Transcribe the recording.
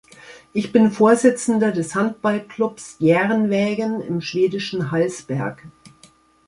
Ich bin Vorsitzender des Handballclubs Järnvägen im schwedischen Hallsberg.